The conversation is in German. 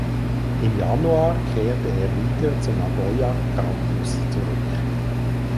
Im Januar kehrte er wieder zu Nagoya Grampus zurück.